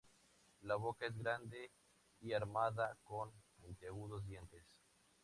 La boca es grande y armada con puntiagudos dientes.